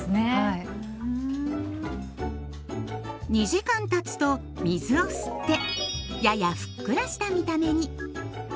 ２時間たつと水を吸ってややふっくらした見た目に。